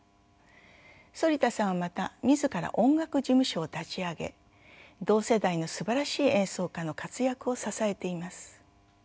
反田さんはまた自ら音楽事務所を立ち上げ同世代のすばらしい演奏家の活躍を支えています。